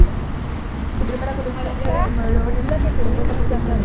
Su primera colección fue Moriarty, compuesta por seis números.